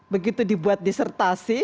begitu dibuat disertasi